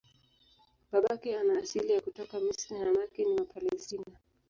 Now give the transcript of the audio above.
Babake ana asili ya kutoka Misri na mamake ni wa Palestina.